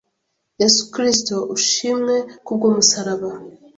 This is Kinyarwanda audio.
Yesu Kristo ushimwe ku bw’umusaraba,